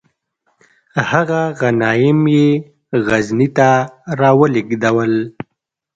هغه غنایم یې غزني ته را ولیږدول.